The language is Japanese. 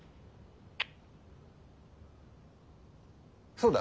そうだ。